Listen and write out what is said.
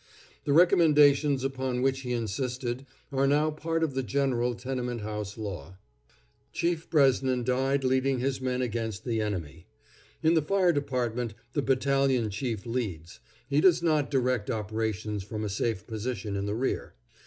The recommendations upon which he insisted are now part of the general tenement house law. Chief Bresnan died leading his men against the enemy. In the Fire Department the battalion chief leads; he does not direct operations from a safe position in the rear.